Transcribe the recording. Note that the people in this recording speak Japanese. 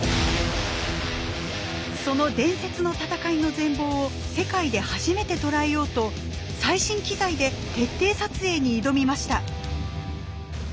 その伝説の闘いの全貌を世界で初めて捉えようと最新機材で徹底撮影に挑みました。